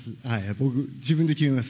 僕、自分で決めます。